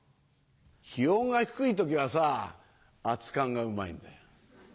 気温が低い時はさ熱燗がうまいんだよ。